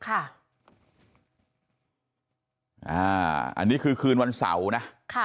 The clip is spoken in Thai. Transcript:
อันนี้คือคืนวันเสาร์นะ